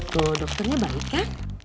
tuh dokternya balik ya